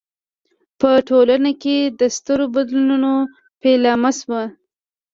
په ټولنه کې د سترو بدلونونو پیلامه شوه.